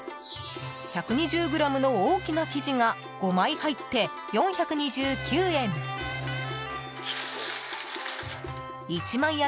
１２０ｇの大きな生地が５枚入って、４２９円。